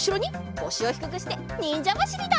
こしをひくくしてにんじゃばしりだ！